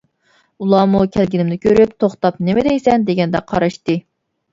ئۇلارمۇ كەلگىنىمنى كۆرۈپ، توختاپ نېمە دەيسەن دېگەندەك قاراشتى.